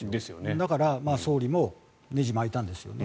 だから、総理もねじを巻いたんですよね。